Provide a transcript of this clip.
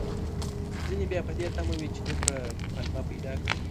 ځينې بيا په دې تمه وي، چې دومره پلمه پيدا کړي